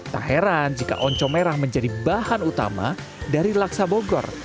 tak heran jika oncom merah menjadi bahan utama dari laksa bogor